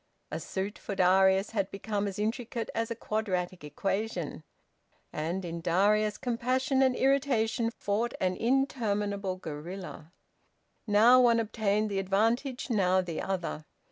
A suit, for Darius, had become as intricate as a quadratic equation. And, in Edwin, compassion and irritation fought an interminable guerilla. Now one obtained the advantage, now the other.